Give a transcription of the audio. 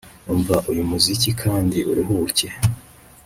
Umva uyu muziki kandi uruhuke